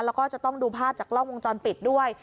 แล้วก็จะต้องดูภาพจากกล้องวงจรปิดด้วย